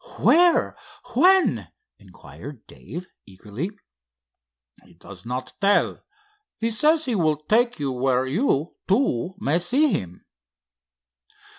"Where? when?" inquired Dave, eagerly. "He does not tell. He says he will take you where you, too, may see him."